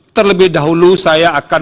terlebih dahulu saya akan